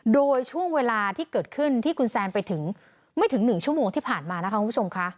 โดยช่วงเวลาที่เกิดขึ้นที่คุณแซนไปถึงไม่ถึง๑ชั่วโมงที่ผ่านมานะคะคุณผู้ชมค่ะ